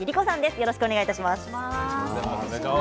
よろしくお願いします。